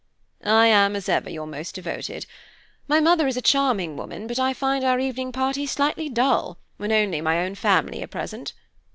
"I am, as ever, your most devoted. My mother is a charming woman, but I find our evening parties slightly dull, when only my own family are present.